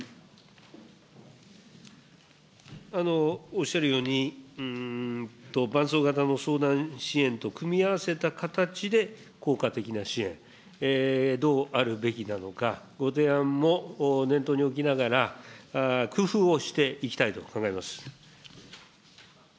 おっしゃるように、伴走型の相談支援と組み合わせた形で、効果的な支援、どうあるべきなのか、ご提案も念頭に置きながら、工夫をしていきたいと考えます。